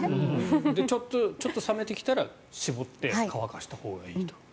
ちょっと冷めてきたら絞って乾かしたほうがいいと。